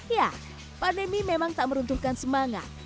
ya pandemi memang tak meruntungkan semangat